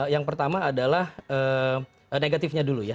yang pertama adalah negatifnya dulu ya